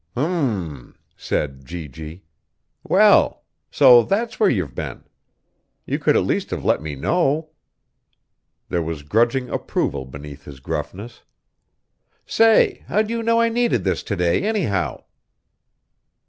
"Hm m m," said G.G. "Well. So that's where you've been. You could at least have let me know." There was grudging approval beneath his gruffness. "Say, how'd you know I needed this today, anyhow?"